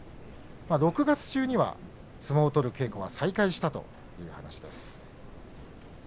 ６月中には相撲を取る稽古は再開したという話です。